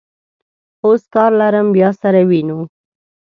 اوس کار لرم، بیا سره وینو.